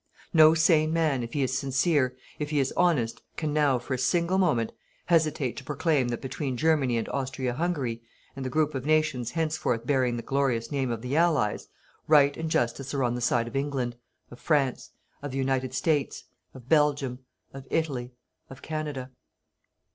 No sane man, if he is sincere, if he is honest, can now, for a single moment, hesitate to proclaim that between Germany and Austria Hungary, and the group of nations henceforth bearing the glorious name of THE ALLIES, Right and Justice are on the side of England, of France, of the United States, of Belgium, of Italy, of Canada.